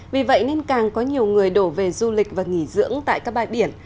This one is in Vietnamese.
vì vậy nên càng có nhiều người đổ về du lịch và nghỉ dưỡng tại các bãi biển